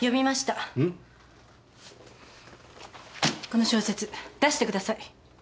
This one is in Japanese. この小説出してください。